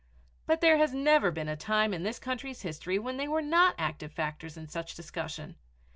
But there has never been a time in this country's history when they were not active factors in such discussion.